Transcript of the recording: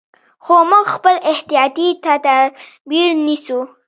خو موږ خپل احتیاطي تدابیر نیسو.